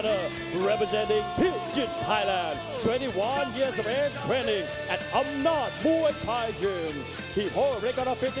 สวัสดีทุกคนมาเจอกันตัวเปล่าตัวเปล่าเจนวิทโกสัง